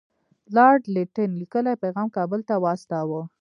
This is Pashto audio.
لارډ لیټن لیکلی پیغام کابل ته واستاوه.